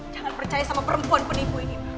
jangan percaya sama perempuan penipu ini